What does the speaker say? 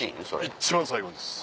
一番最後です。